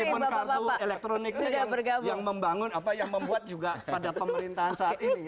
meskipun kartu elektroniknya yang membuat juga pada pemerintahan saat ini